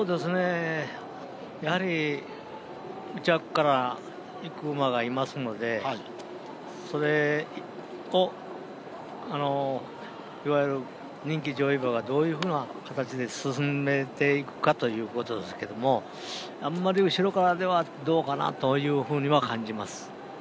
やはり最初からいく馬がいますのでそれを、いわゆる人気上位馬がどういうふうな形で進めていくかということですけどもあんまり後ろからではどうかなというふうには感じます。